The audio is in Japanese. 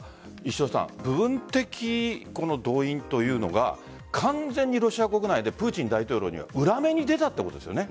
部分的動員というのが完全にロシア国内でプーチン大統領には裏目に出たということですよね。